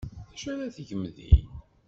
D acu ara tgem din?